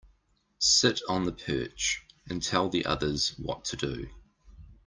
Sit on the perch and tell the others what to do.